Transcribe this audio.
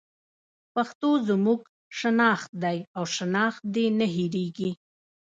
پښتو زموږ شناخت دی او شناخت دې نه هېرېږي.